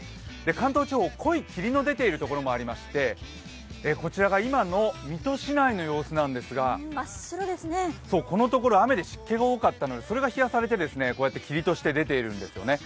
関東地方、濃い霧の出ている所もありまして、こちらが今の水戸市内の様子なんですが、このところ雨で湿気が多かったので、それで冷やされてこうやって、霧として出ているんですよね。